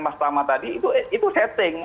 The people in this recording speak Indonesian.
mas tama tadi itu setting